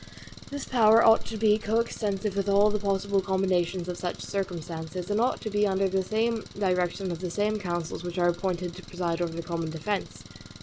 This power ought to be coextensive with all the possible combinations of such circumstances; and ought to be under the direction of the same councils which are appointed to preside over the common defense.